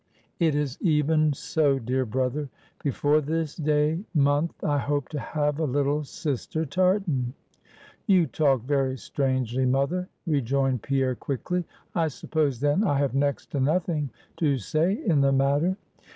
"It is even so, dear brother; before this day month I hope to have a little sister Tartan." "You talk very strangely, mother," rejoined Pierre, quickly. "I suppose, then, I have next to nothing to say in the matter!"